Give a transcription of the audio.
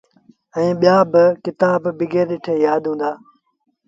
ائيٚݩ ٻيآ با ڪتآب بيٚگر ڏٺي يآد هوئيٚتآ۔